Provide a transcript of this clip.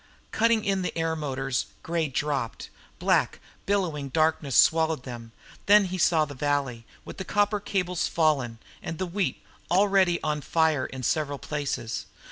Cutting in the air motors, Gray dropped. Black, bellowing darkness swallowed them. Then he saw the valley, with the copper cables fallen, and the wheat already on fire in several places.